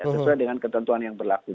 sesuai dengan ketentuan yang berlaku